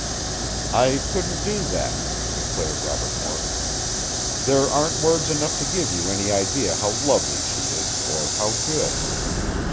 "I couldn't do that," declared Robert Morton. "There aren't words enough to give you any idea how lovely she is or how good."